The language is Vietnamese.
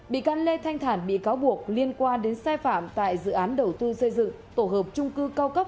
bị can lê thanh thản bị cáo buộc liên quan đến sai phạm tại dự án đầu tư xây dựng tổ hợp trung cư cao cấp